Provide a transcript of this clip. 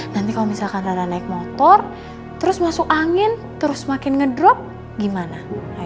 nanti kalau misalkan rada naik motor terus masuk angin terus makin ngedrop gimana